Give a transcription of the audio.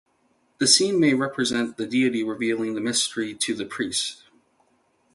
The scene may represent the deity revealing the mystery to the priest.